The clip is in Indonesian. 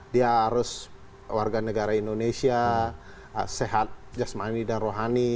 seharusnya warga negara indonesia sehat jasmani dan rohani